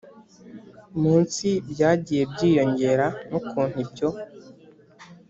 Munsi byagiye byiyongera n ukuntu ibyo